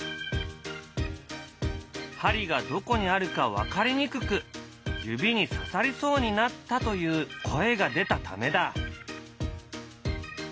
針がどこにあるか分かりにくく指にささりそうになったという声が出たためだ。